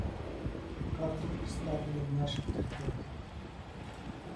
На карту поставлен наш авторитет.